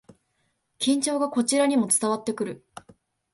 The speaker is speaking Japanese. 緊張がこちらにも伝わってくる